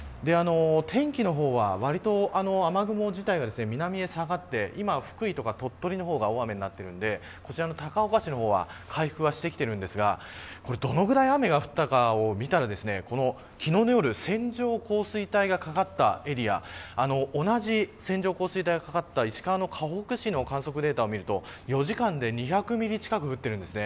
天気の方は、わりと雨雲自体が南へ下がって福井とか鳥取の方が大雨になっているのでこちらの高岡市の方は回復してきているんですがどのくらい雨が降ったかを見たら昨日の夜線状降水帯がかかったエリア同じ線状降水帯がかかった石川のかほく市の観測データを見ると４時間で２００ミリ近く降っています。